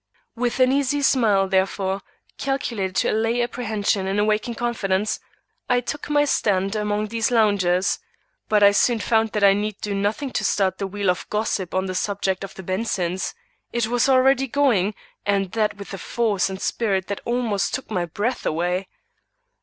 With an easy smile, therefore, calculated to allay apprehension and awaken confidence, I took my stand among these loungers. But I soon found that I need do nothing to start the wheel of gossip on the subject of the Bensons. It was already going, and that with a force and spirit that almost took my breath away.